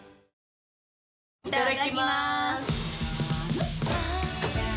いただきます！